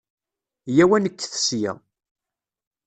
Yya-w ad nekket ssya.